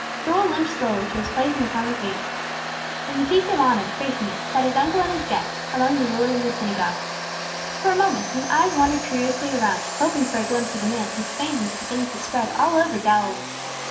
Joel limped slowly to his place in the congregation. In the seats of honor, facing it, sat his uncle and his guests, among the rulers of the synagogue. For a moment his eyes wandered curiously around, hoping for a glimpse of the man whose fame was beginning to spread all over Galilee.